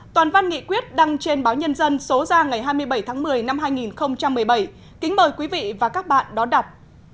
toàn văn nghị quyết đăng trên báo nhân dân số ra ngày hai mươi bảy tháng một mươi năm hai nghìn một mươi bảy kính mời quý vị và các bạn đón đọc